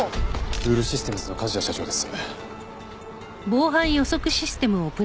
ブールシステムズの梶谷社長です。